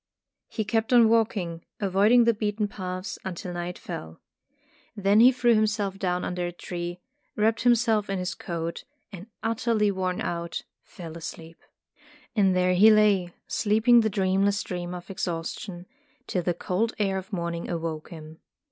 He kept on walking, avoiding the beaten paths, until night fell. Then he threw Tales of Modern Germany 145 himself down under a tree, wrapped him self in his coat, and utterly worn out, fell asleep. And there he lay, sleeping the dreamless sleep of exhaustion, till the cold air of morning awoke him.